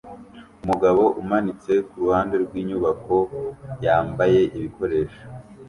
Umugabo umanitse kuruhande rwinyubako yambaye ibikoresho